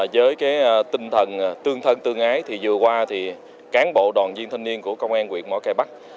với tinh thần tương thân tương ái vừa qua cán bộ đoàn viên thanh niên của công an quyện mói cây bắc